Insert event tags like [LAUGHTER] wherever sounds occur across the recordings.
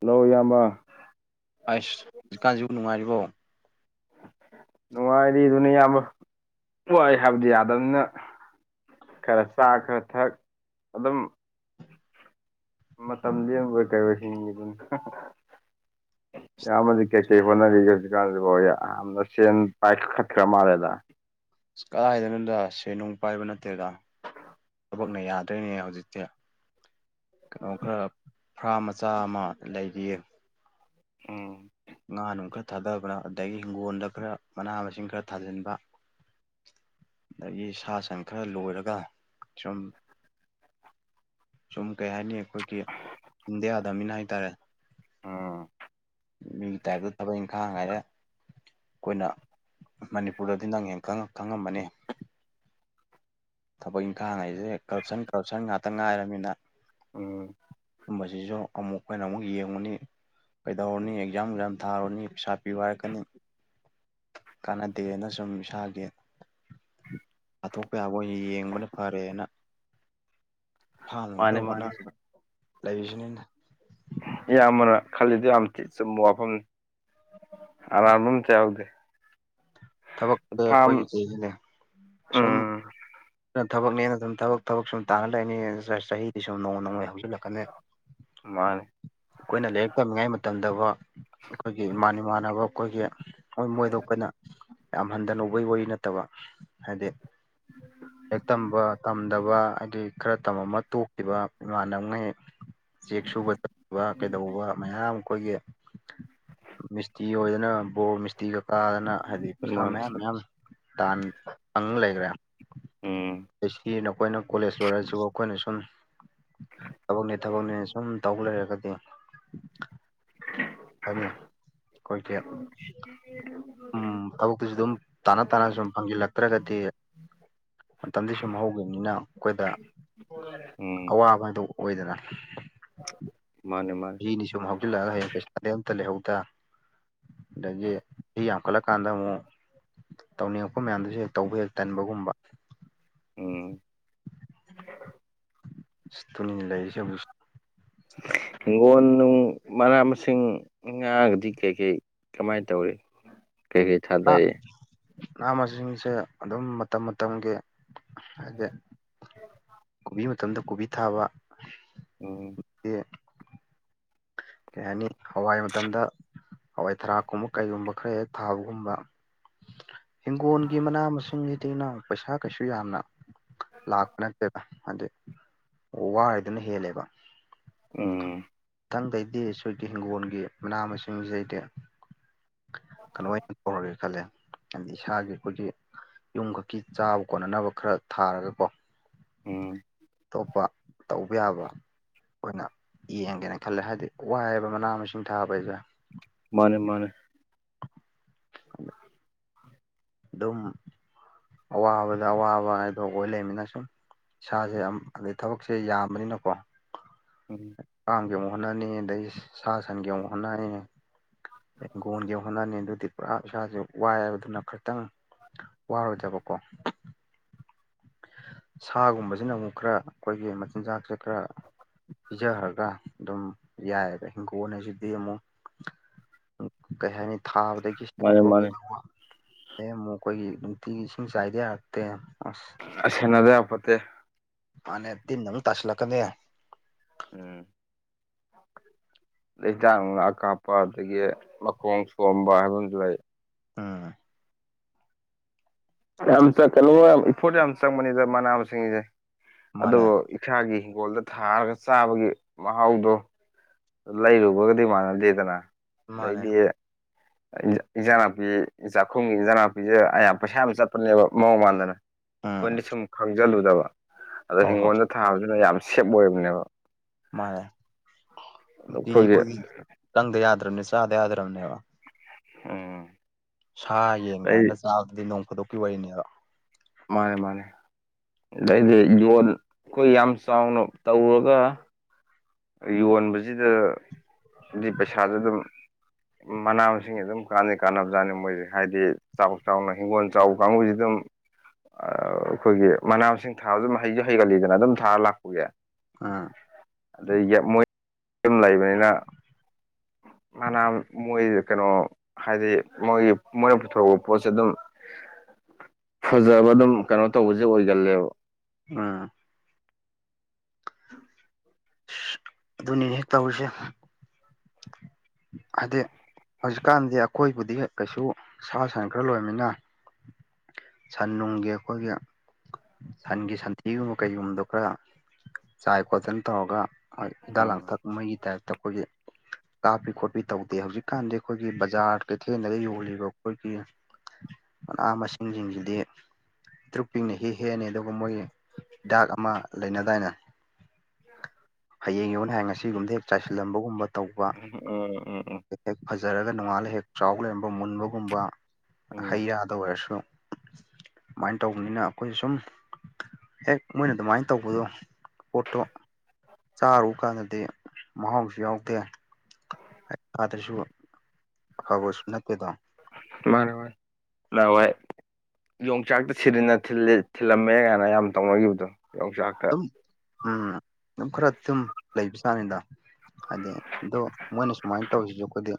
Hello ꯢꯌꯥꯝꯕ ꯑꯥꯏꯁ ꯍꯨꯖꯤꯛꯀꯥꯟꯖꯤꯕꯨ ꯅꯨꯡꯉꯥꯏꯔꯤꯕꯣ ꯅꯨꯡꯉꯥꯏꯔꯤ ꯗꯨꯅꯤ ꯢꯌꯥꯝꯕ ꯋꯥꯏ ꯍꯥꯏꯕꯗꯤ ꯌꯥꯗꯝꯅꯤꯅ ꯈꯔ ꯆꯥ ꯈꯔ ꯊꯛ ꯑꯗꯨꯝ ꯃꯇꯝ ꯂꯦꯟꯕꯣꯢ ꯀꯩꯑꯣꯏ ꯍꯤꯡꯉꯤꯗꯨꯅꯤ [INAUDIBLE] ꯢꯌꯥꯝꯕꯗꯤ ꯀꯩꯀꯩ ꯍꯣꯠꯅꯔꯤꯒꯦ ꯍꯧꯖꯤꯛ ꯀꯥꯟꯁꯤꯕꯣ ꯌꯥꯝꯅ ꯁꯦꯟ ꯄꯥꯏꯈꯠꯈ꯭ꯔ ꯃꯥꯜꯂꯦꯗ ꯑꯁ ꯀꯗꯥꯏꯗꯩꯅꯣꯗ ꯁꯦꯟꯅꯨꯡ ꯄꯥꯏꯕ ꯅꯠꯇꯦꯗ ꯕꯛꯅ ꯌꯥꯗ꯭ꯔꯦꯅꯦ ꯍꯧꯖꯤꯛꯇꯤ ꯀꯩꯅꯣ ꯈꯔ ꯐ꯭ꯔꯥꯝ ꯃꯆꯥ ꯑꯃꯥ ꯂꯩꯔꯤꯌꯦ ꯎꯝ ꯉꯥ ꯅꯨꯡ ꯈꯔ ꯊꯥꯗꯕ꯭ꯔ ꯑꯗꯒꯤ ꯍꯤꯡꯒꯣꯟꯗ ꯈꯔ ꯃꯅꯥ ꯃꯁꯤꯡ ꯈꯔ ꯊꯥꯖꯤꯟꯕ ꯗꯒꯤ ꯁꯥ ꯁꯟ ꯈꯔ ꯂꯣꯏꯔꯒ ꯁꯨꯝ ꯁꯨꯝ ꯀꯩ ꯍꯥꯏꯅꯤ ꯑꯩꯈꯣꯏꯒꯤ ꯍꯤꯡꯗ ꯌꯥꯗꯝꯃꯤꯅ ꯍꯥꯏꯇꯥꯔꯦ ꯎꯝ ꯃꯤꯒꯤ ꯇꯥꯏꯞꯇ ꯊꯕꯛ ꯏꯪꯈꯥꯡ ꯍꯥꯏꯔꯦ ꯈꯣꯏꯅ ꯃꯅꯤꯄꯨꯔꯗꯗꯤ ꯅꯪ ꯍꯦꯟ ꯈꯪꯉ ꯈꯪꯉꯝꯃꯅꯤ ꯊꯕꯛ ꯏꯪꯈꯥꯡ ꯍꯥꯏꯖꯦ ꯀꯔꯞꯁꯟ ꯀꯔꯞꯁꯟ ꯉꯥꯠꯇ ꯉꯥꯏꯔꯝꯃꯤꯅ ꯎꯝ ꯁꯨꯝꯕꯖꯤꯖꯨ ꯑꯃꯨꯛ ꯈꯣꯏꯅ ꯑꯃꯨꯛ ꯌꯦꯡꯉꯨꯅꯤ ꯀꯩꯗꯧꯔꯨꯅꯤ ꯑꯦꯛꯖꯥꯝ ꯖꯥꯝ ꯊꯥꯔꯨꯅꯤ ꯄꯩꯁꯥ ꯄꯤꯌꯨ ꯍꯥꯏꯔꯛꯀꯅꯤ ꯀꯥꯟꯅꯗꯦꯅ ꯁꯨꯝ ꯏꯁꯥꯒꯤ ꯄꯥꯊꯣꯛꯄ ꯌꯥꯕ ꯑꯣꯏꯅ ꯌꯦꯡꯕꯅ ꯐꯔꯦꯅ ꯐꯥꯝꯅꯨꯡ ꯃꯥꯅꯤ ꯈꯔ ꯃꯥꯅꯤ ꯍꯣꯠꯅꯗꯅ ꯂꯩꯔꯤꯖꯤꯅꯤꯅꯦ ꯏꯌꯥꯝꯕꯅ ꯈꯜꯂꯤꯗꯣ ꯌꯥꯝ ꯊꯤ ꯆꯨꯝꯕ ꯋꯥꯐꯝꯅꯤ ꯑꯔꯥꯟꯕ ꯑꯝꯇ ꯌꯥꯎꯗꯦ ꯊꯕꯛꯇ ꯐꯥꯝ ꯑꯩꯈꯣꯏꯒꯤ [UNINTELLIGIBLE] ꯁꯨꯝ ꯎꯝ ꯅ ꯊꯕꯛꯅꯦꯅ ꯗꯨꯝ ꯊꯕꯛ ꯊꯕꯛ ꯁꯨꯝ ꯇꯥꯅ ꯂꯩꯅꯤ ꯆ ꯆꯍꯤꯗꯤ ꯁꯨꯝ ꯅꯣꯡꯃ ꯅꯣꯡꯃꯩ ꯍꯧꯖꯤꯜꯂꯛ ꯀꯅꯦ ꯃꯥꯅꯤ ꯈꯣꯏꯅ ꯂꯥꯏꯔꯤꯛ ꯇꯝꯃꯤꯉꯥꯏ ꯃꯇꯝꯗꯕꯣ ꯑꯩꯈꯣꯏꯒꯤ ꯏꯃꯥꯟ ꯏꯃꯥꯟꯅꯕ ꯑꯩꯈꯣꯏꯒꯤ ꯍꯣꯏ ꯃꯣꯏꯗꯣ ꯈꯣꯏꯅ ꯌꯥꯝ ꯍꯟꯗꯅ ꯎꯕꯩ ꯋꯥꯔꯤ ꯅꯠꯇꯕ ꯍꯥꯏꯗꯤ ꯂꯥꯏꯔꯤꯛ ꯇꯝꯕ ꯇꯝꯗꯕ ꯍꯥꯏꯗꯤ ꯈꯔ ꯇꯝꯃꯝꯃ ꯇꯣꯛꯈꯤꯕ ꯏꯃꯥꯟꯅꯕꯉꯩ ꯆꯦꯛ ꯁꯨꯕ ꯆꯠꯄ ꯀꯩꯗꯧꯕ ꯃꯌꯥꯝ ꯑꯈꯣꯏꯒꯤ ꯃꯤꯁꯇꯤ ꯑꯣꯏꯗꯅ ꯕꯣꯔ ꯃꯤꯁꯇꯤꯒꯥ ꯀꯥꯗꯅ ꯍꯥꯏꯗꯤ ꯄꯩꯁꯥ ꯃꯥꯅꯤ ꯃꯌꯥꯝ ꯃꯌꯥꯝ ꯇꯥꯟ ꯐꯪ ꯂꯩꯒ꯭ꯔꯦ ꯎꯝ ꯑꯩꯁꯀꯤꯅ ꯑꯈꯣꯏꯅ ꯀꯣꯂꯦꯖ ꯂꯣꯏꯔꯖꯨ ꯑꯈꯣꯏꯅ ꯁꯨꯝ ꯊꯕꯛꯅꯦ ꯊꯕꯛꯅꯦ ꯁꯨꯝ ꯇꯧ ꯂꯩꯔꯒꯥꯗꯤ [UNINTELLIGIBLE] ꯈꯣꯏꯒꯦꯞ ꯎꯝ ꯊꯕꯛꯇꯨꯖꯨ ꯑꯗꯨꯝ ꯇꯥꯅ ꯇꯥꯅ ꯁꯨꯝ ꯐꯪꯖꯤꯜꯂꯛꯇ꯭ꯔꯥꯒꯗꯤ [INAUDIBLE] ꯃꯇꯝꯗꯤ ꯁꯨꯝ ꯍꯧꯒꯤꯝꯅꯤꯅ ꯑꯈꯣꯏꯗꯥ [INAUDIBLE] ꯎꯝ ꯑꯋꯥꯕ ꯍꯥꯏꯗꯣ ꯑꯣꯏꯗꯅ ꯃꯥꯅꯦ ꯃꯥꯅꯦ ꯖꯤꯗꯤ ꯁꯨꯝ ꯍꯧꯖꯤꯜꯂꯛꯑꯒꯥ ꯍꯌꯦꯡ ꯄꯩꯁꯥꯗꯤ ꯑꯝꯇꯥ ꯂꯩꯍꯧꯗꯥ ꯑꯗꯒꯤ ꯆꯍꯤ ꯌꯥꯝꯈꯠꯂꯛꯀꯥꯟꯗꯥ ꯑꯃꯨꯛ ꯇꯧꯅꯤꯡꯉꯛꯄ ꯃꯌꯥꯝꯗꯨꯖꯨ ꯍꯦꯛ ꯇꯧꯕ ꯍꯦꯛ ꯇꯟꯕꯒꯨꯝꯕ ꯎꯝ [INAUDIBLE] ꯇꯨꯃꯤꯟꯅ ꯂꯩꯔꯤꯁꯦ ꯑꯃꯨꯛ ꯍꯤꯡꯒꯣꯟ ꯅꯨꯡ ꯃꯅꯥ ꯃꯁꯤꯡ ꯉꯥꯒꯗꯤ ꯀꯩ ꯀꯩ ꯀꯃꯥꯏ ꯇꯧꯔꯤ [UNINTELLIGIBLE] ꯅꯥ ꯅꯥ ꯃꯥꯁꯤꯡꯁꯦ ꯑꯗꯨꯝ ꯃꯇꯝ ꯃꯇꯝꯒꯤ ꯍꯥꯏꯗꯤ ꯕꯤ ꯃꯇꯝꯗꯥ ꯀꯣꯕꯤ ꯊꯥꯕ ꯎꯝ [UNINTELLIGIBLE] ꯀꯩ ꯍꯥꯏꯅꯤ ꯍꯋꯥꯏ ꯃꯇꯝꯗꯥ ꯍꯋꯥꯏ ꯊꯔꯥꯛꯀꯨꯝꯕ ꯀꯩꯒꯨꯝꯕ ꯈꯔ ꯍꯦꯛ ꯊꯥꯕꯒꯨꯝꯕ ꯍꯤꯡꯒꯣꯟꯒꯤ ꯃꯅꯥ ꯃꯁꯤꯡ ꯖꯤꯗꯤ ꯏꯅꯥꯎ ꯄꯩꯁꯥ ꯀꯩꯁꯨ ꯌꯥꯝꯅ ꯂꯥꯛꯄ ꯅꯠꯇꯦꯗ ꯍꯥꯏꯗꯤ ꯋꯥꯔꯤꯗꯨꯅ ꯍꯦꯜꯂꯦꯕ ꯎꯝ ꯊꯪꯗꯩꯗꯤ ꯁꯣꯏꯗꯤ ꯍꯤꯡꯒꯣꯜꯒꯤ ꯃꯅꯥ ꯃꯁꯤꯡꯖꯦ ꯍꯩꯇꯦ ꯀꯥꯅꯣ ꯑꯣꯏꯅ ꯇꯧꯔꯒꯦ ꯈꯜꯂꯦ ꯍꯥꯏꯗꯤ ꯏꯁꯥꯒꯤ ꯑꯩꯈꯣꯏꯒꯤ ꯌꯨꯝꯈꯛꯀꯤ ꯆꯥꯕ ꯀꯣꯟꯅꯅꯕ ꯈꯔ ꯊꯥꯔꯒꯀꯣ ꯎꯝ ꯑꯇꯣꯞꯄ ꯇꯧꯕ ꯌꯥꯕ ꯑꯣꯏꯅ ꯌꯦꯡꯒꯦꯅ ꯇꯜꯂꯦ ꯍꯥꯏꯗꯤ ꯋꯥꯏꯑꯕ ꯃꯅꯥ ꯃꯁꯤꯡ ꯊꯥꯕ ꯍꯩꯖꯦ ꯃꯥꯅꯦ ꯃꯥꯅꯦ [INAUDIBLE] ꯑꯗꯨꯝ ꯑꯋꯥꯕꯗ ꯑꯋꯥꯕ ꯍꯥꯏꯗꯣ ꯑꯣꯏ ꯂꯩꯃꯤꯅ ꯁꯨꯝ ꯏꯁꯥꯖꯦ ꯌꯥꯝ ꯑꯗꯩ ꯊꯕꯛꯁꯦ ꯌꯥꯝꯕꯅꯤꯅꯀꯣ ꯎꯝ ꯀꯥꯡꯒꯤ ꯑꯃꯨꯛ ꯍꯣꯠꯅꯅꯤ ꯑꯗꯩ ꯁꯥ ꯁꯟꯒꯤ ꯑꯃꯨꯛ ꯍꯣꯠꯅꯅꯤ ꯍꯤꯡꯒꯣꯟꯒꯤ ꯍꯣꯠꯅꯅꯤ ꯑꯗꯨꯗꯤ ꯄꯨꯔꯥ ꯏꯁꯥꯁꯦ ꯋꯥꯏꯑꯕ ꯑꯗꯨꯅ ꯈꯔ ꯈꯤꯇꯪ ꯋꯥꯔꯣꯏꯗꯕꯀꯣ ꯁꯥꯒꯨꯝꯕꯖꯤꯅ ꯑꯃꯨꯛ ꯈꯔ ꯑꯈꯣꯏꯒꯤ ꯃꯆꯤꯟꯖꯥꯛꯁꯦ ꯈꯔ ꯄꯤꯖꯥꯈ꯭ꯔꯥꯒ ꯑꯗꯨꯝ ꯌꯥꯏꯕ ꯍꯤꯡꯈꯣꯜ ꯍꯥꯏꯁꯤꯗꯤ ꯑꯃꯨꯛ [UNINTELLIGIBLE] ꯀꯩ ꯍꯥꯏꯅꯤ ꯊꯥꯕꯗꯒꯤ ꯃꯥꯅꯦ ꯁꯦꯝꯃꯛꯄ ꯃꯥꯅꯦ ꯀꯩꯗꯧꯕ ꯗꯩ ꯑꯃꯨꯛ ꯑꯈꯣꯏꯒꯤ ꯅꯨꯡꯇꯤꯒꯤ ꯏꯁꯤꯡ ꯆꯥꯏꯗꯥ ꯌꯥꯔꯛꯇꯦ ꯑꯁ ꯑꯁ ꯁꯦꯟꯅꯗ ꯌꯥꯄꯣꯟꯇꯦ ꯃꯥꯅꯦ ꯇꯤꯟ ꯑꯃꯨꯛ ꯇꯥꯁꯜꯂꯛꯀꯅꯤ ꯎꯝ ꯍꯤꯗꯥꯛ ꯅꯣꯡꯂꯥ ꯀꯥꯞꯄ ꯑꯗꯒꯤ ꯃꯈꯣꯡ ꯁꯣꯝꯕ ꯍꯥꯏꯕ ꯑꯃꯁꯨ ꯂꯩ ꯑꯝ ꯌꯥꯝ ꯆꯥ ꯀꯩꯅꯣ ꯌꯥꯝ ꯏꯐꯣꯔꯠ ꯌꯥꯝ ꯆꯪꯕꯅꯤꯗ ꯃꯅꯥ ꯃꯁꯤꯡꯁꯦ ꯑꯗꯨ ꯃꯥꯅꯦ ꯏꯁꯥꯒꯤ ꯍꯤꯡꯒꯣꯜꯗ ꯊꯥꯔꯒ ꯆꯥꯕꯒꯤ ꯃꯍꯥꯎꯗꯣ ꯂꯩꯔꯨꯕꯒꯗꯤ ꯃꯥꯟꯅꯗꯦꯗꯅ ꯃꯥꯅꯦ ꯑꯗꯩꯗꯤ ꯏꯟꯖꯥꯡ ꯅꯥꯄꯤ ꯆꯥꯛꯈꯨꯝꯒꯤ ꯏꯟꯖꯥꯡ ꯅꯥꯄꯤꯁꯦ ꯑꯥ ꯌꯥꯝ ꯄꯩꯁꯥ ꯌꯥꯝ ꯆꯠꯄꯅꯦꯕ ꯃꯑꯣꯡ ꯃꯥꯟꯗꯅ ꯎꯝ ꯑꯩꯈꯣꯏꯅꯗꯤ ꯁꯨꯝ ꯈꯪꯖꯜꯂꯨꯗꯕ ꯑꯗ ꯍꯣꯏ ꯍꯣꯏ ꯍꯤꯒꯣꯜꯗ ꯊꯥꯕꯗꯨꯅ ꯌꯥꯝ ꯁꯦꯞ ꯑꯣꯏꯕꯅꯦꯕ ꯃꯥꯅꯦ ꯅꯨꯡꯇꯤꯒꯤ ꯑꯩꯈꯣꯏꯒꯤ ꯆꯪꯗ ꯌꯥꯗ꯭ꯔꯕꯅꯦ ꯆꯥꯗ ꯌꯥꯗ꯭ꯔꯕꯅꯦꯕ ꯑꯝ ꯁꯥ ꯌꯦꯡ ꯀꯥꯏꯅ ꯆꯥꯕꯗꯨꯗꯤ ꯅꯣꯡ ꯐꯥꯗꯣꯛꯀꯤ ꯋꯥꯔꯤꯅꯤꯗꯣ ꯃꯥꯅꯦ ꯃꯥꯅꯦ ꯑꯗꯩꯗꯤ ꯌꯣꯟ ꯑꯩꯈꯣꯏ ꯌꯥꯝ ꯆꯥꯎꯅ ꯇꯧꯔꯒ ꯌꯣꯟꯕꯁꯤꯗ ꯃꯤ ꯄꯩꯁꯥꯁꯨ ꯑꯗꯨꯝ ꯃꯅꯥ ꯃꯁꯤꯡ ꯑꯗꯨꯝ ꯀꯥꯟꯗꯤ ꯀꯥꯟꯅꯕ ꯖꯥꯠꯅꯤ ꯃꯣꯏꯁꯦ ꯍꯥꯏꯗꯤ ꯆꯥꯎ ꯆꯥꯎꯅ ꯍꯤꯡꯒꯣꯜ ꯆꯥꯎ ꯀꯥꯡꯕꯨꯁꯤ ꯑꯗꯨꯝ ꯑꯥ ꯑꯩꯈꯣꯏꯒꯤ ꯃꯅꯥ ꯃꯁꯤꯡ ꯊꯥꯕꯁꯨ ꯑꯗꯨꯝ ꯍꯩꯁꯨ ꯍꯩꯒꯜꯂꯤꯗꯅ ꯑꯗꯨꯝ ꯊꯥꯔ ꯂꯥꯛꯄꯒꯤ ꯑꯝ ꯑꯗꯩꯒꯤ ꯃꯣꯏ ꯌꯨꯝ ꯂꯩꯕꯅꯤꯅ ꯐꯅꯥ ꯃꯣꯏ ꯀꯩꯅꯣ ꯍꯥꯏꯗꯤ ꯃꯣꯏꯒꯤ ꯃꯣꯏꯅ ꯄꯨꯊꯣꯛꯄ ꯄꯣꯠꯁꯦ ꯑꯗꯨꯝ ꯐꯖꯕ ꯑꯗꯨꯝ ꯀꯩꯅꯣ ꯇꯧꯕꯁꯦ ꯑꯣꯏꯒꯜꯂꯦꯕ ꯑꯝ ꯑꯗꯨꯅꯤꯅꯦ ꯇꯧꯔꯤꯁꯦ ꯍꯥꯢꯗꯤ ꯍꯧꯖꯤꯛꯀꯥꯟꯗꯤ ꯑꯩꯈꯣꯏꯕꯨꯗꯤ ꯀꯩꯁꯨ ꯁꯥ ꯁꯟ ꯈꯔ ꯂꯣꯏꯕꯅꯤꯅ ꯁꯟ ꯅꯨꯡꯒꯤ ꯑꯩꯈꯣꯏꯒꯤ ꯁꯟꯒꯤ ꯁꯟꯊꯤꯒꯨꯝꯕ ꯀꯩꯒꯨꯝꯕꯗꯣ ꯈꯔ ꯆꯥꯏ ꯈꯣꯠꯇꯅ ꯇꯧꯔꯒ ꯍꯣꯏ ꯍꯤꯗꯥꯛ ꯎꯝ ꯂꯥꯡꯊꯛ ꯃꯩꯒꯤ ꯇꯥꯏꯞꯇ ꯑꯩꯈꯣꯏꯒꯤ ꯀꯥꯞꯄꯤ ꯈꯣꯠꯄꯤ ꯇꯧꯗꯦ ꯍꯧꯖꯤꯛꯀꯥꯟꯗꯤ ꯑꯩꯈꯣꯏꯒꯤ ꯕꯖꯥꯔ ꯀꯩꯊꯦꯜꯗ ꯌꯣꯜꯂꯤꯕ ꯑꯩꯈꯣꯏꯒꯤ ꯃꯅꯥ ꯃꯁꯤꯡ ꯁꯤꯡꯁꯤꯗꯤ ꯄꯤꯇꯔꯨꯛ ꯄꯤꯛꯅ ꯍꯦ ꯍꯦꯛ ꯑꯅꯤ ꯑꯗꯨꯒ ꯃꯣꯏꯒꯤ ꯍꯤꯗꯥꯛ ꯑꯃ ꯂꯩꯅꯗꯥꯏꯅꯦ ꯍꯌꯦꯡ ꯌꯣꯟꯅꯤ ꯍꯥꯏꯔ ꯉꯁꯤꯒꯨꯝꯕꯗ ꯍꯦꯛ ꯆꯥꯏꯁꯤꯜ ꯂꯝꯕꯒꯨꯝꯕ ꯇꯧꯕ ꯎꯝ ꯎꯝ ꯎꯝ ꯎꯝ ꯍꯦꯛ ꯍꯦꯛ ꯐꯖꯔꯒ ꯅꯣꯡꯉꯥꯜꯂ ꯍꯦꯛ ꯆꯥꯎ ꯂꯩꯔꯝꯕ ꯃꯨꯟꯕꯒꯨꯝꯕ ꯎꯝ ꯍꯩ ꯌ ꯗ ꯑꯣꯏꯔꯁꯨ ꯁꯨꯃꯥꯏꯅ ꯇꯧꯕꯅꯤꯅ ꯑꯩꯈꯣꯏꯁꯨ ꯁꯨꯝ ꯍꯦꯛ ꯃꯣꯏꯅ ꯑꯗꯨꯃꯥꯏꯅ ꯇꯧꯕꯗꯣ ꯄꯣꯠꯇꯣ ꯆꯥꯔꯨ ꯀꯥꯟꯗꯗꯤ ꯃꯍꯥꯎꯁꯨ ꯌꯥꯎꯗꯦ ꯑꯗꯁꯨ ꯐꯕꯁꯨ ꯅꯠꯇꯦꯗꯣ ꯃꯥꯅꯦ ꯃꯥꯅꯦ ꯅꯍꯥꯟꯋꯥꯏ ꯌꯣꯡꯆꯥꯛꯇ ꯁꯤꯔꯤꯟꯅ ꯊꯤꯜꯂꯦ ꯊꯤꯜꯂꯝꯃꯦ ꯀꯥꯏꯅ ꯌꯥꯝ ꯇꯧꯅꯈꯤꯕꯗꯣ ꯌꯣꯡꯆꯥꯛ ꯑꯗꯨꯝ ꯎꯝ ꯑꯗꯨꯝ ꯈꯔ ꯁꯨꯝ ꯂꯩꯕꯖꯠꯅꯤꯗ ꯍꯥꯏꯗꯤ ꯑꯗꯣ ꯃꯣꯏꯅ ꯁꯨꯃꯥꯏꯅ ꯇꯧꯔꯤꯁꯤ ꯑꯩꯈꯣꯏꯗꯤ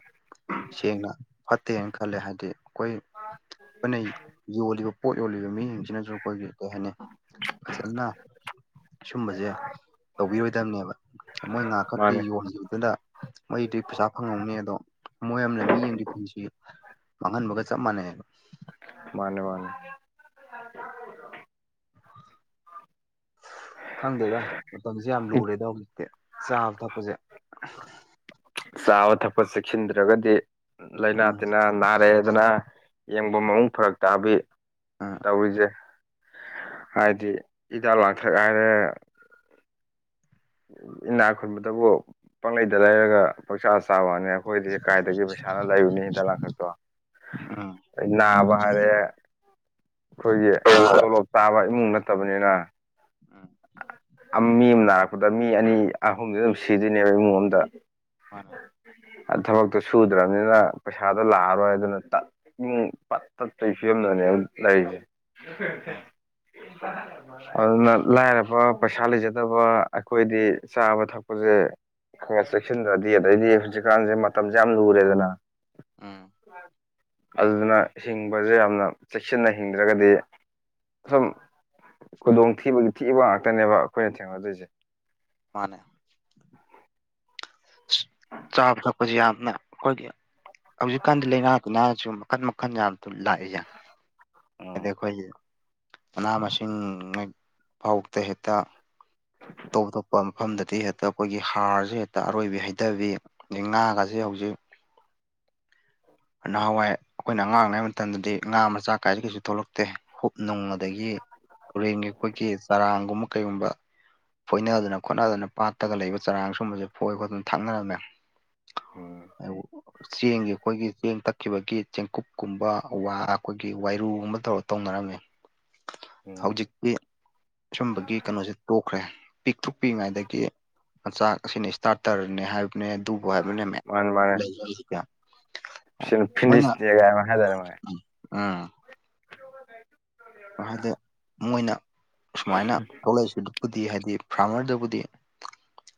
ꯁꯦꯡꯅ ꯐꯠꯇꯦꯅ ꯈꯜꯂꯦ ꯍꯥꯏꯕꯗꯤ ꯑꯩꯈꯣꯏ ꯑꯩꯈꯣꯏꯅ ꯌꯣꯜꯂꯤꯕ ꯄꯣꯠ ꯌꯣꯜꯂꯤꯕ ꯃꯤꯁꯤꯡꯁꯤꯅꯁꯨ ꯑꯩꯈꯣꯏꯒꯤ ꯀꯩ ꯍꯥꯏꯅꯤ ꯐꯖꯅ ꯁꯨꯝꯕꯖꯦ ꯇꯧꯕꯤꯔꯣꯏꯗꯕꯅꯦꯕ ꯃꯣꯏ ꯉꯍꯥꯛ ꯃꯥꯅꯦ ꯈꯛꯀꯤ ꯌꯣꯟꯈꯤꯕꯗꯨꯅ ꯃꯣꯏꯗꯤ ꯄꯩꯁꯥ ꯐꯪꯉꯝꯒꯅꯤ ꯑꯗꯣ ꯃꯣꯏ ꯑꯃꯅ ꯃꯤ ꯑꯃꯒꯤ ꯄꯨꯟꯁꯤ ꯃꯥꯡꯍꯟꯕꯒ ꯆꯞ ꯃꯥꯟꯅꯩ ꯍꯥꯏꯕ ꯃꯥꯅꯦ ꯃꯥꯅꯦ ꯈꯪꯗꯦꯗ ꯃꯇꯝꯁꯦ ꯌꯥꯝ ꯂꯨꯔꯦꯗ ꯍꯧꯖꯤꯛꯇꯤ ꯆꯥꯕ ꯊꯛꯄꯁꯦ ꯆꯥꯕ ꯊꯛꯄ ꯆꯦꯛꯁꯤꯟꯗ꯭ꯔꯒꯗꯤ ꯂꯥꯏꯅꯥ ꯎꯝ ꯇꯤꯟꯅꯥ ꯅꯥꯔꯛꯑꯦꯗꯅ ꯌꯦꯡꯕꯝ ꯑꯃꯨꯛ ꯐꯔꯛ ꯇꯥꯕꯤ ꯎꯝ ꯇꯧꯔꯤꯖꯦ ꯍꯥꯏꯗꯤ ꯍꯤꯗꯥꯛ ꯂꯥꯡꯊꯛ ꯍꯥꯏꯔꯦ ꯏꯅꯥꯛ ꯈꯨꯟꯕꯗꯕꯨ ꯄꯪꯂꯩꯗ ꯂꯩꯔꯒ ꯄꯛꯆꯥ ꯆꯥ ꯋꯥꯅꯤ ꯑꯩꯈꯣꯏꯗꯤ ꯀꯥꯏꯗꯒꯤ ꯄꯩꯁꯥꯅ ꯂꯩꯔꯨꯅꯤ ꯍꯤꯗꯥꯛ ꯂꯥꯡꯊꯛꯇꯣ ꯎꯝ ꯑꯩ ꯅꯥꯕ ꯍꯥꯏꯔꯦ ꯑꯩꯈꯣꯏꯒꯤ ꯇꯣꯂꯣꯞ ꯇꯥꯕ ꯏꯃꯨꯡ ꯅꯠꯇꯕꯅꯤꯅ ꯎꯝ ꯑꯝ ꯃꯤ ꯑꯃ ꯅꯥꯔꯛꯄꯗ ꯃꯤ ꯑꯅꯤ ꯑꯍꯨꯝꯗꯤ ꯑꯗꯨꯝ ꯁꯤꯗꯣꯏꯅꯦꯕ ꯏꯃꯨꯡ ꯑꯃꯗ ꯃꯥꯅꯦ ꯊꯕꯛꯇꯣ ꯁꯨꯗ꯭ꯔꯕꯅꯤꯅ ꯄꯩꯁꯥꯗꯣ ꯂꯥꯛꯑꯔꯣꯏ ꯑꯗꯨꯅ ꯏꯃꯨꯡ ꯄꯠ ꯇꯠꯇꯩꯒꯤ ꯐꯤꯕꯝꯗꯅꯦꯕ ꯂꯩꯔꯤꯁꯦ ꯎꯝ ꯑꯗꯨꯅ ꯂꯥꯏꯔꯕ ꯄꯩꯁꯥ ꯂꯩꯖꯗꯕ ꯑꯩꯈꯣꯏꯗꯤ ꯆꯥꯕ ꯊꯛꯄꯁꯦ ꯈꯔꯈꯔ ꯆꯦꯛꯁꯤꯟꯗ꯭ꯔꯗꯤ ꯑꯗꯩꯗꯤ ꯍꯧꯖꯤꯛꯀꯥꯟꯁꯦ ꯃꯇꯝꯁꯦ ꯌꯥꯝ ꯂꯨꯔꯦꯗꯅ ꯎꯝ ꯑꯗꯨꯗꯨꯅ ꯍꯤꯡꯕꯁꯦ ꯌꯥꯝꯅ ꯆꯦꯛꯁꯤꯟꯅ ꯍꯤꯡꯗ꯭ꯔꯒꯗꯤ ꯁꯨꯝ ꯈꯨꯗꯣꯡ ꯊꯤꯕꯒꯤ ꯊꯤꯕ ꯉꯥꯛꯇꯅꯦꯕ ꯑꯩꯈꯣꯏꯅ ꯊꯦꯡꯅꯗꯣꯏꯁꯦ ꯃꯥꯅꯦ ꯆꯥꯕ ꯊꯛꯄꯁꯤ ꯌꯥꯝꯅ ꯑꯩꯈꯣꯏꯒꯤ ꯍꯧꯖꯤꯛ ꯀꯥꯟꯗꯤ ꯂꯥꯏꯅꯥ ꯇꯤꯟꯅ ꯁꯤꯁꯨꯝ ꯃꯈꯟ ꯃꯈꯟ ꯌꯥꯝ ꯑꯗꯨ ꯂꯥꯛꯏꯁꯦ ꯑꯗꯩ ꯎꯝ ꯑꯩꯈꯣꯏꯒꯤ ꯃꯅꯥ ꯃꯁꯤꯡ ꯐꯥꯎꯗ ꯍꯦꯛꯇ ꯑꯇꯣꯞ ꯑꯇꯣꯞꯄ ꯃꯐꯝꯗꯗꯤ ꯍꯦꯛꯇ ꯑꯩꯈꯣꯏꯒꯤ ꯍꯥꯔꯁꯤ ꯍꯦꯛꯇ ꯑꯔꯣꯏꯕꯤ ꯍꯩꯊꯕꯤ ꯑꯗꯩ ꯉꯥꯒꯁꯤ ꯍꯧꯖꯤꯛ ꯅꯍꯥꯟꯋꯥꯏ ꯑꯩꯈꯣꯏꯅ ꯑꯉꯥꯡ ꯑꯣꯏꯔꯤꯉꯩ ꯃꯇꯝꯗꯗꯤ ꯉꯥ ꯃꯆꯥ ꯀꯥꯏꯁꯦ ꯀꯩꯁꯨ ꯊꯣꯛꯂꯛ ꯇꯦ ꯍꯨꯞ ꯅꯨꯡ ꯑꯗꯒꯤ ꯍꯨꯔꯦꯟꯒꯤ ꯑꯩꯈꯣꯏꯒꯤ ꯆꯔꯥꯡꯒꯨꯝꯕ ꯀꯩꯒꯨꯝꯕ ꯐꯣꯏꯅꯗꯅ ꯈꯣꯠꯅꯗꯅ ꯄꯥꯠꯇꯒ ꯂꯩꯕ ꯆꯔꯥꯡ ꯁꯨꯝꯕꯁꯦ ꯐꯣꯏ ꯈꯣꯠꯇꯅ ꯊꯥꯛꯅꯔꯝꯃꯦ ꯎꯝ ꯆꯦꯡꯒꯤ ꯑꯩꯈꯣꯏꯒꯤ ꯆꯦꯡ ꯇꯛꯈꯤꯕꯒꯤ ꯆꯦꯡꯀꯨꯞꯀꯨꯝꯕ ꯋꯥ ꯑꯩꯈꯣꯏꯒꯤ ꯋꯥꯏꯔꯨꯒꯨꯝꯕ ꯇꯧꯔ ꯇꯧꯅꯔꯝꯃꯤ ꯎꯝ ꯍꯧꯖꯤꯛꯇꯤ ꯁꯨꯝꯕꯒꯤ ꯀꯩꯅꯣꯁꯦ ꯇꯣꯛꯈ꯭ꯔꯦ ꯄꯤꯛꯇ꯭ꯔꯨꯛ ꯄꯤꯛ ꯢꯉꯩꯗꯒꯤ ꯃꯆꯥꯛ ꯑꯁꯤꯅ ꯏꯁꯇꯥꯔꯠ ꯇꯔꯅꯦ ꯍꯥꯏꯕ ꯅꯦ ꯑꯗꯨꯕꯨ ꯍꯥꯢꯕꯅꯦ ꯃꯌꯥꯝ ꯃꯥꯅꯦ ꯂꯩ ꯑꯩꯖꯤꯗ ꯁꯤꯅ ꯃꯣꯏꯅ ꯎꯝ ꯍꯥꯏꯗꯤ ꯃꯣꯏꯅ ꯁꯨꯃꯥꯏꯅ ꯊꯣꯛꯂꯛꯏꯁꯤ ꯕꯨꯗꯤ ꯍꯥꯏꯗꯤ ꯐꯥꯔꯃꯔꯗꯕꯨꯗꯤ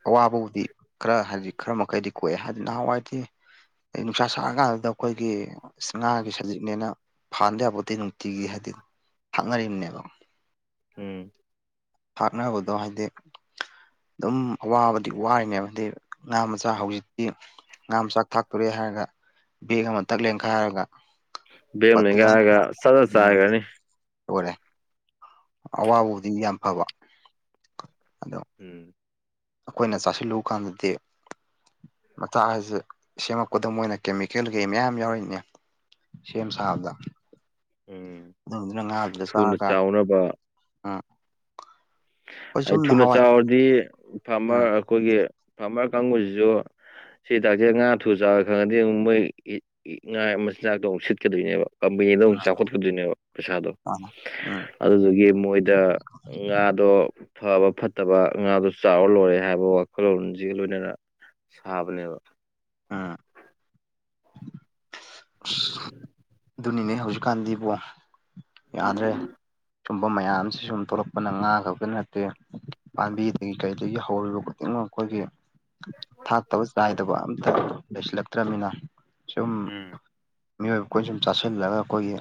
ꯑꯋꯥꯕꯕꯨꯗꯤ ꯈꯔ ꯍꯥꯏꯕꯗꯤ ꯈꯔ ꯃꯈꯩꯗꯤ ꯀꯣꯛꯑꯦ ꯍꯥꯏꯗꯤ ꯅꯍꯥꯟꯋꯥꯏꯗꯤ ꯑꯩ ꯅꯨꯡꯁꯥ ꯁꯥꯔ ꯀꯥꯟꯗꯨꯗ ꯑꯩꯈꯣꯏꯒꯤ ꯉꯥꯒꯤ ꯁꯖꯤꯛꯅꯦꯅ ꯐꯥꯟꯗ ꯌꯥꯄꯣꯠꯇꯦ ꯅꯨꯡꯇꯤꯒꯤ ꯍꯥꯏꯗꯤ ꯊꯥꯛꯅꯔꯤꯕꯅꯦꯕ ꯎꯝ ꯊꯥꯛꯅꯕꯗꯣ ꯍꯥꯏꯗꯤ ꯑꯗꯨꯝ ꯑꯋꯥꯕꯗꯤ ꯋꯥꯅꯦꯕ ꯍꯥꯏꯗꯤ ꯉꯥ ꯃꯆꯥ ꯍꯧꯖꯤꯛꯇꯤ ꯉꯥ ꯃꯆꯥꯛ ꯊꯥꯛꯇꯣꯔꯦ ꯍꯥꯏꯔꯒ ꯕꯦꯒ ꯑꯃ ꯊꯛ ꯂꯦꯟꯈꯥꯏꯔꯒ ꯕꯦꯒ ꯑꯃ ꯂꯦꯟꯒꯥꯏꯒ ꯁꯗ ꯁꯗ ꯆꯥꯏꯈ꯭ꯔꯅꯤ ꯄꯨꯔꯦ ꯑꯋꯥꯕꯕꯨꯗꯤ ꯌꯥꯝ ꯐꯕ ꯑꯗꯣ ꯎꯝ ꯑꯩꯈꯣꯏꯅ ꯆꯥꯁꯤꯜꯂꯨ ꯀꯥꯟꯗꯗꯤ ꯃꯆꯥꯥꯛ ꯍꯥꯏꯁꯦ ꯁꯦꯝꯃꯛꯄꯗ ꯃꯣꯏꯅ ꯀꯦꯃꯤꯀꯦꯜ ꯀꯩ ꯃꯌꯥꯝ ꯌꯥꯎꯔꯤꯅꯦ ꯁꯦꯝ ꯁꯥꯕꯗ ꯎꯝ ꯑꯗꯨꯗꯨꯅ ꯊꯨꯅ ꯆꯥꯎꯅꯕ ꯑꯥ ꯑꯩ ꯊꯨꯅ ꯆꯥꯎꯔꯗꯤ ꯐꯥꯔꯃꯔ ꯎꯝ ꯑꯩꯈꯣꯏꯒꯤ ꯐꯥꯔꯃꯔ ꯀꯥꯡꯕꯨꯁꯤꯁꯨ ꯁꯤ ꯍꯤꯗꯥꯛꯁꯦ ꯉꯥ ꯊꯨ ꯆꯥꯎꯏ ꯈꯪꯉꯗꯤ ꯑꯃꯨꯛ ꯃꯣꯏ ꯉꯥ ꯃꯆꯤꯟꯖꯥꯛꯇꯣ ꯑꯃꯨꯛ ꯁꯤꯠꯀꯗꯣꯏꯅꯦꯕ ꯀꯝꯄꯦꯅꯤꯗ ꯑꯃꯨꯛ ꯆꯥꯎꯈꯠꯀꯗꯣꯏꯅꯦꯕ ꯄꯩꯁꯥꯗꯣ ꯎꯝ ꯎꯝ ꯑꯗꯨꯗꯨꯒꯤ ꯃꯣꯏꯗ ꯉꯥ ꯗꯣ ꯐꯕ ꯐꯠꯇꯕ ꯉꯥꯗꯣ ꯆꯥꯎꯔ ꯂꯣꯏꯔꯦ ꯍꯥꯏꯕ ꯋꯥꯈꯜꯂꯣꯟꯖꯤꯒ ꯂꯣꯏꯅꯅ ꯁꯥꯕꯅꯦꯕ ꯑꯥ ꯑꯁ ꯑꯗꯨꯅꯤꯅꯦ ꯍꯧꯖꯤꯛꯀꯥꯟꯗꯤꯕꯣ ꯌꯥꯗ꯭ꯔꯦ ꯁꯨꯝꯕ ꯃꯌꯥꯝꯁꯤ ꯁꯨꯝ ꯊꯣꯛꯂꯛꯄꯅ ꯉꯥ ꯈꯛꯇ ꯅꯠꯇꯦ ꯄꯥꯝꯕꯤꯗꯒꯤ ꯀꯩꯗꯒꯤ ꯍꯧꯔꯤꯕ ꯈꯨꯗꯤꯡꯃꯛ ꯑꯩꯈꯣꯏꯒꯤ ꯊꯥꯛꯇꯕ ꯆꯥꯏꯗꯕ ꯑꯝꯇ ꯂꯩꯁꯤꯜꯂꯛꯇ꯭ꯔꯕꯅꯤꯅ ꯁꯨꯝ ꯎꯝ ꯃꯤꯑꯣꯏꯕ ꯑꯩꯈꯣꯏꯅ ꯁꯨꯝ ꯆꯥꯁꯤꯜꯂꯒ ꯑꯩꯈꯣꯏꯒꯤ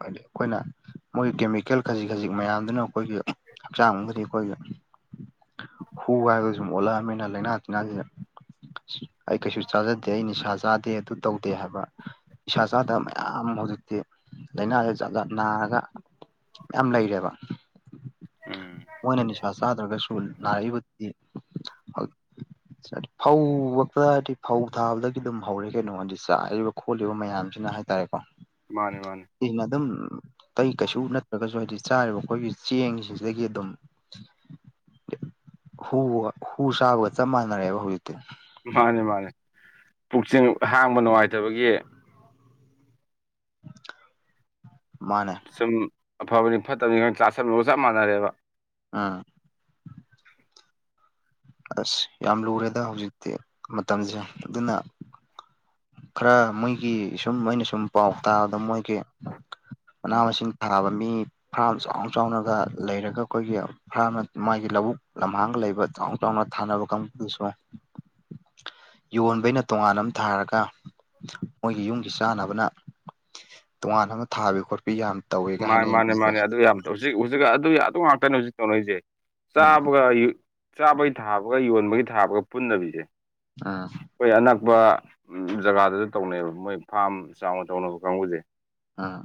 ꯍꯥꯏꯗꯤ ꯑꯩꯈꯣꯏꯅ ꯃꯣꯏ ꯀꯦꯃꯤꯀꯦꯜ ꯈꯖꯤꯛ ꯈꯖꯤꯛ ꯃꯌꯥꯝꯗꯨꯅ ꯑꯩꯈꯣꯏꯒꯤ ꯍꯛꯆꯥꯡ ꯃꯅꯨꯡꯗꯗꯤ ꯑꯩꯈꯣꯏꯒꯤ ꯍꯨ ꯍꯥꯏꯕꯁꯤꯃ ꯁꯨꯝ ꯑꯣꯜꯂꯛꯑꯕꯅꯤꯅ ꯂꯥꯏꯅꯥ ꯇꯤꯟꯅꯥꯁꯦ ꯑꯩ ꯀꯩꯁꯨ ꯆꯥꯖꯗꯦ ꯑꯩ ꯅꯤꯁꯥ ꯆꯥꯗꯦ ꯑꯗꯨ ꯇꯧꯗꯦ ꯍꯥꯏꯕ ꯅꯤꯁꯥ ꯆꯥꯗꯕ ꯃꯌꯥꯝ ꯍꯧꯖꯤꯛꯇꯤ ꯂꯥꯏꯅꯥꯁꯦ ꯖꯥꯠ ꯖꯥꯠ ꯅꯥꯔꯒ ꯌꯥꯝ ꯂꯩꯔꯦꯕ ꯎꯝ ꯃꯣꯏꯅ ꯅꯤꯁꯥ ꯆꯥꯗ꯭ꯔꯒꯁꯨ ꯅꯥꯔꯛꯏꯕꯗꯨꯗꯤ [UNINTELLIGIBLE] ꯐꯧ ꯕꯣꯛꯇ ꯗꯤ ꯐꯧ ꯊꯥꯕꯗꯒꯤ ꯑꯗꯨꯝ ꯍꯧꯔꯦ ꯀꯩꯅꯣ ꯍꯥꯏꯗꯤ ꯆꯥꯏꯔꯤꯕ ꯈꯣꯠꯂꯤꯕ ꯃꯌꯥꯝꯁꯤꯅ ꯍꯥꯏꯇꯥꯔꯦꯀꯣ ꯃꯥꯅꯦ ꯃꯥꯅꯦ ꯁꯤꯖꯤꯅ ꯑꯗꯨꯝ ꯀꯩ ꯀꯩꯁꯨ ꯅꯠꯇ꯭ꯔꯒꯁꯨ ꯍꯥꯏꯗꯤ ꯆꯥꯔꯤꯕ ꯑꯩꯈꯣꯏꯒꯤ ꯆꯦꯡꯁꯤꯡꯁꯤꯗꯒꯤ ꯑꯗꯨꯝ ꯍꯨ ꯍꯨ ꯆꯥꯕꯒ ꯆꯞ ꯃꯥꯅꯔꯦꯕ ꯍꯧꯖꯤꯛꯇꯤ ꯃꯥꯅꯤ ꯃꯥꯅꯤ ꯄꯨꯛ ꯁꯦ ꯍꯥꯡꯕ ꯅꯨꯡꯉꯥꯏꯇꯕꯒꯤ ꯃꯥꯅꯦ ꯁꯨꯝ ꯑꯐꯕꯅꯤ ꯐꯠꯇꯕꯅꯤ ꯀꯥ ꯆꯥꯥꯁꯟꯂꯨꯔꯒ ꯆꯞ ꯃꯥꯟꯅꯔꯦꯕ ꯑꯥ ꯑꯁ ꯌꯥꯝ ꯂꯨꯔꯦꯗ ꯍꯧꯖꯤꯛꯇꯤ ꯃꯇꯝꯁꯦ ꯑꯗꯨꯅ ꯈꯔ ꯃꯣꯏꯒꯤ ꯁꯨꯝ ꯑꯩꯅ ꯁꯨꯝ ꯄꯥꯎ ꯇꯥꯕꯗ ꯃꯣꯏꯒꯤ ꯃꯅꯥ ꯃꯁꯤꯡ ꯊꯥꯅꯕ ꯃꯤ ꯐꯥꯔꯝ ꯆꯥꯎꯅ ꯆꯥꯎꯅꯒ ꯂꯩꯔꯒ ꯑꯩꯈꯣꯏꯒꯤ ꯐꯥꯔꯝ ꯃꯥꯒꯤ ꯂꯧꯕꯨꯛ ꯂꯝꯍꯥꯡꯒ ꯂꯩꯕ ꯆꯥꯎꯅ ꯥꯆꯥꯎꯅ ꯊꯅꯕ ꯀꯥꯡꯕꯨꯗꯤ ꯁꯣꯛꯑꯣꯏ ꯌꯣꯟꯕꯩꯅ ꯇꯣꯉꯥꯟꯅ ꯑꯝ ꯊꯥꯔꯒ ꯃꯣꯏꯒꯤ ꯌꯨꯝꯒꯤ ꯆꯥꯅꯕꯅ ꯇꯣꯉꯥꯟꯅ ꯑꯃꯥ ꯊꯥꯕꯤ ꯈꯣꯠꯄꯤ ꯌꯥꯝ ꯇꯧꯋꯦꯒ ꯃꯥ ꯍꯥꯏꯅꯩ ꯃꯥꯅꯦ ꯃꯥꯅꯦ ꯑꯗꯨ ꯌꯥꯝ ꯍꯧꯖꯤꯛ ꯍꯨꯖꯤꯛꯀꯥ ꯑꯗꯨꯌꯥ ꯑꯗꯨ ꯉꯥꯛꯇꯅꯦ ꯍꯧꯖꯤꯛ ꯇꯧꯅꯩꯖꯦ ꯎꯝ ꯆꯥꯕꯒ ꯌꯣ ꯆꯥꯕꯩ ꯊꯥꯕꯒ ꯌꯣꯟꯕꯒꯤ ꯊꯥꯕꯒ ꯄꯨꯟꯗꯕꯤꯖꯦ ꯑꯥ ꯈꯣꯏ ꯑꯅꯛꯄ ꯖꯒꯥꯗꯖꯨ ꯇꯧꯅꯩꯑꯕ ꯃꯣꯏ ꯐꯥꯝ ꯆꯥꯎꯅ ꯇꯧꯅꯕ ꯀꯥꯡꯒꯨꯖꯦ꯫ ꯑꯥ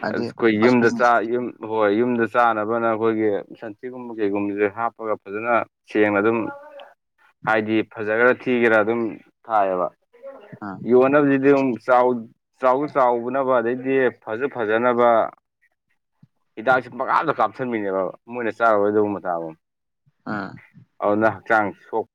ꯍꯥꯏꯗꯤ ꯑꯁ ꯈꯣꯏ ꯌꯨꯝꯗ ꯍꯣꯁꯄꯤꯁ ꯆꯥ ꯌꯨꯝ ꯕꯣꯕꯣꯏ ꯌꯨꯝꯗ ꯆꯥꯅꯕꯅ ꯑꯈꯣꯏꯒꯤ ꯁꯟꯊꯤꯒꯨꯝꯕ ꯀꯩꯒꯨꯝꯕꯖꯦ ꯍꯥꯞꯄꯒ ꯐꯖꯅ, ꯁꯦꯡꯅ ꯑꯗꯨꯝ ꯍꯥꯏꯗꯤ ꯐꯖꯒꯦꯔ ꯊꯤꯒꯦꯔꯥ ꯑꯗꯨꯝ ꯊꯥꯏꯌꯦꯕ꯫ ꯎꯝ ꯌꯣꯟꯅꯕꯁꯤꯗꯤ ꯆꯥꯎ ꯆꯥꯎ ꯆꯥꯎꯕꯅꯕ ꯑꯗꯩꯗꯤ ꯐꯖꯨ ꯐꯖꯅꯕ ꯍꯤꯗꯥꯛꯁꯤ ꯄꯪꯀꯥꯞꯇ ꯀꯥꯞ ꯁꯟꯕꯤꯅꯦꯕ ꯃꯣꯏꯅ ꯆꯥꯔꯔꯣꯏꯗꯧ ꯃꯇꯥꯒꯨꯝ꯫ ꯑꯥ ꯑꯗꯨꯅ ꯍꯛꯆꯥꯡ ꯁꯣꯛ